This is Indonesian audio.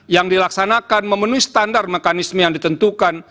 yang dilaksanakan memenuhi standar mekanisme yang ditentukan